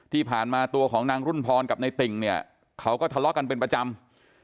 ที่ผ่านมาตัวของนางรุ่นพรกับในติ่งเนี่ยเขาก็ทะเลาะกันเป็นประจำ